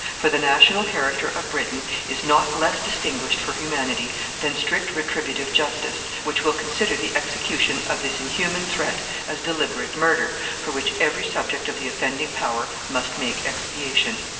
For the national character of Britain is not less distinguished for humanity than strict retributive justice, which will consider the execution of this inhuman threat as deliberate murder, for which every subject of the offending power must make expiation.